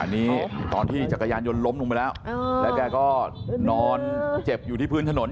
อันนี้ตอนที่จักรยานยนต์ล้มลงไปแล้วแล้วแกก็นอนเจ็บอยู่ที่พื้นถนน